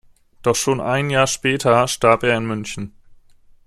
Doch schon ein Jahr später starb er in München.